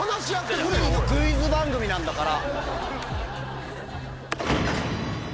いいのクイズ番組なんだから。